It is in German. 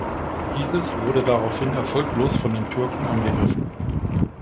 Dieses wurde daraufhin erfolglos von den Türken angegriffen.